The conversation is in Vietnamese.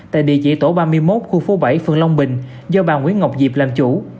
tại địa chỉ tổ ba mươi một khu phố bảy phường long bình do bà nguyễn ngọc diệp làm chủ